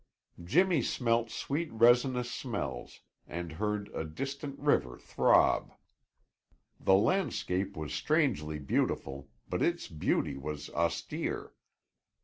Jimmy smelt sweet resinous smells and heard a distant river throb. The landscape was strangely beautiful, but its beauty was austere.